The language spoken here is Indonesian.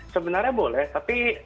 sebenarnya boleh tapi